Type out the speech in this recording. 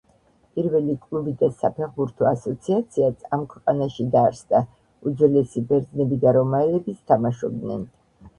პირველი კლუბი და საფეხბურთო ასოციაციაც ამ ქვეყანაში დაარსდა.უძველესი ბერძნები და რომაელებიც თამაშობდნენ